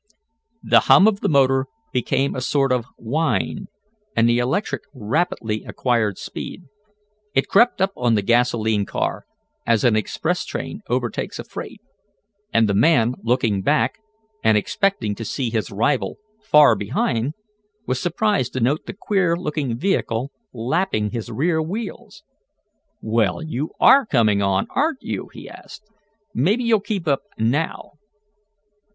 The hum of the motor became a sort of whine, and the electric rapidly acquired speed. It crept up on the gasolene car, as an express train overtakes a freight, and the man, looking back, and expecting to see his rival far behind was surprised to note the queer looking vehicle lapping his rear wheels. "Well, you are coming on, aren't you?" he asked. "Maybe you'll keep up now!"